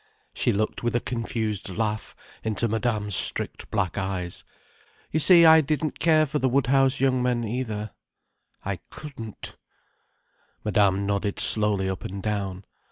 She looked with a confused laugh into Madame's strict black eyes. "You see I didn't care for the Woodhouse young men, either. I couldn't." Madame nodded slowly up and down.